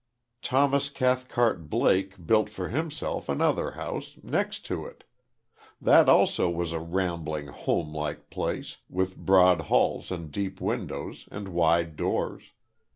Thomas Cathcart Blake built for himself another house, next to it. That also was a rambling, homelike place, with broad halls and deep windows, and wide doors.